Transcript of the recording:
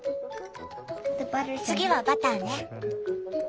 次はバターね。